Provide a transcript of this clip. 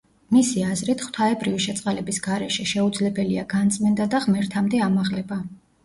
მისი აზრით, ღვთაებრივი შეწყალების გარეშე შეუძლებელია განწმენდა და ღმერთამდე ამაღლება.